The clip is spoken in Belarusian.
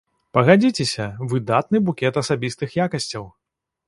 Пагадзіцеся, выдатны букет асабістых якасцяў.